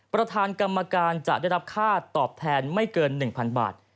ประธานกรรมการจะได้รับค่าตอบแทนไม่เกิน๑๐๐๐บาท